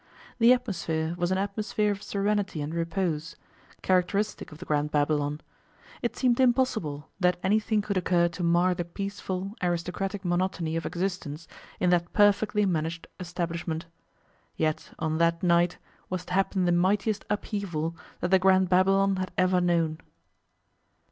The atmosphere was an atmosphere of serenity and repose, characteristic of the Grand Babylon. It seemed impossible that anything could occur to mar the peaceful, aristocratic monotony of existence in that perfectly managed establishment. Yet on that night was to happen the mightiest upheaval that the Grand Babylon had ever known.